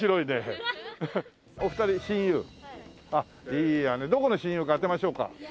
いいやねどこの親友か当てましょうか？